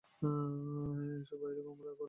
এসো, বাইরে আমার ঘরে এসো।